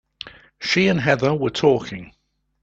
She and Heather were talking.